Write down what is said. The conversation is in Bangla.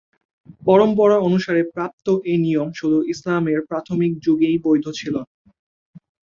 পরম্পরা অনুসারে প্রাপ্ত এ নিয়ম শুধু ইসলামের প্রাথমিক যুগেই বৈধ ছিল।